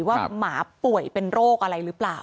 หมาป่วยเป็นโรคอะไรหรือเปล่า